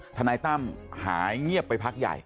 ทนายตั้มหายเงียบไปพักใหญ่